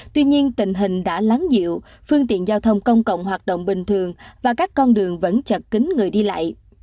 tuy nhiên tình hình đã lắng dịu phương tiện giao thông công cộng hoạt động bình thường và các con đường vẫn chật kính người đi lại